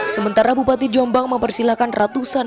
sementara bupati jombang mempersilahkan ratusan